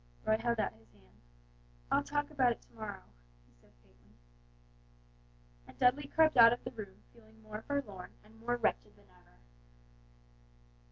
Roy held out his hand. "I'll talk about it to morrow," he said, faintly. And Dudley crept out of the room feeling more forlorn and wretched than ever.